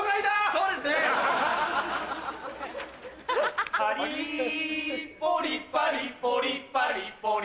そうですね！パリポリパリポリパリポリ